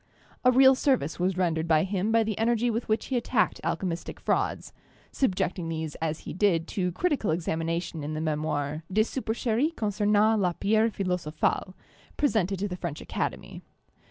A real service was rendered by him by the energy with which he attacked alchemistic frauds, subjecting these as he did to critical examination in the memoir 'Des Su percheries concernant la Pierre Philosophale/ presented to the French Academy.